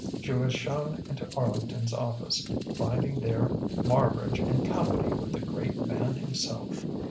She was shown into Arlington's office, finding there Marbridge in company with the great man himself.